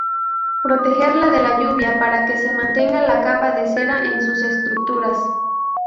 Protegerla de la lluvia para que mantenga la capa de cera en sus estructuras.